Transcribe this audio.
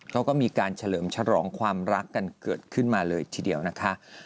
เขาก็มีการเฉลิมฉลองความรักกันเกิดขึ้นมาเลยทีเดียวนะคะ